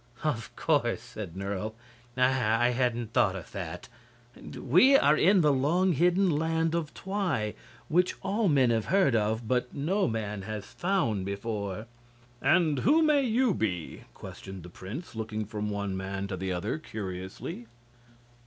"Of course," said Nerle. "I hadn't thought of that. We are in the long hidden Land of Twi, which all men have heard of, but no man has found before." "And who may you be?" questioned the prince, looking from one man to the other, curiously.